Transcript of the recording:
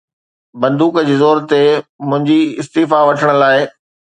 بندوق جي زور تي منهنجي استعيفيٰ وٺڻ لاءِ